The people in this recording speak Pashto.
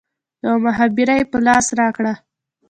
يوه مخابره يې په لاس راکړه.